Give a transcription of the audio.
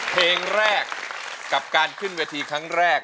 เพลงแรกกับการขึ้นเวทีครั้งแรก